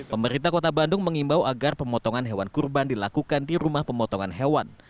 pemerintah kota bandung mengimbau agar pemotongan hewan kurban dilakukan di rumah pemotongan hewan